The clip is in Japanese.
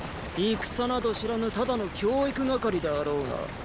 戦など知らぬただの教育係であろうが。